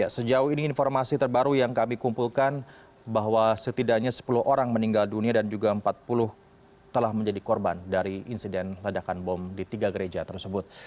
sejauh ini informasi terbaru yang kami kumpulkan bahwa setidaknya sepuluh orang meninggal dunia dan juga empat puluh telah menjadi korban dari insiden ledakan bom di tiga gereja tersebut